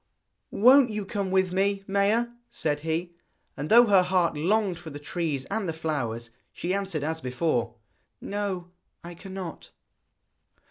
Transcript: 'Won't you come with me, Maia?' said he. And though her heart longed for the trees and the flowers, she answered as before: 'No, I cannot.'